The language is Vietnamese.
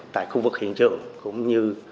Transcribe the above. tại khu vực hiện trường cũng như